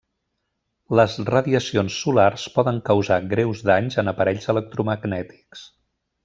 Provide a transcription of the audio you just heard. Les radiacions solars poden causar greus danys en aparells electromagnètics.